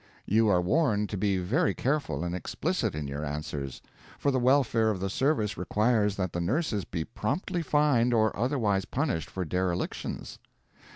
You are warned to be very careful and explicit in your answers, for the welfare of the service requires that the nurses be promptly fined or otherwise punished for derelictions.